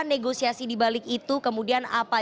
negosiasi di balik itu kemudian apa